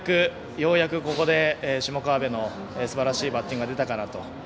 ようやく、ここで下川邊のすばらしいバッティングが出たかなと。